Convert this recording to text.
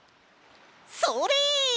それ！